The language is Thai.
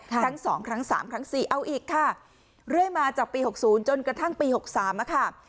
ครั้งสองครั้งสามครั้งสี่เอาอีกค่ะเรื่อยมาจากปี๖๐จนกระทั่งปี๖๓ค่ะ